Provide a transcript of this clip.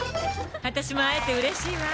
私も会えてうれしいわ」